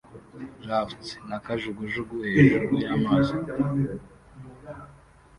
Rafts na kajugujugu hejuru y'amazi